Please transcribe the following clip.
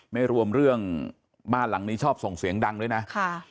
ไม่รวมเรื่องบ้านหลังนี้ชอบส่งเสียงดังด้วยนะ